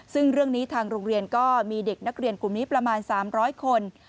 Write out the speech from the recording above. ซึ่งเรื่องนี้ทางโรงเรียนก็มีเด็กนักเรียนกลุ่มนี้ประมาณ๓๐๐คน